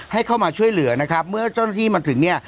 ให้เข้ามาช่วยเหลือนะครับเมื่อเจ้าหน้าที่มาถึงเนี่ย